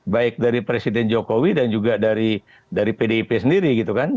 baik dari presiden jokowi dan juga dari pdip sendiri gitu kan